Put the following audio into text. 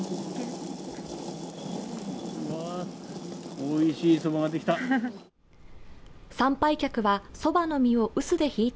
おいしいそばができた。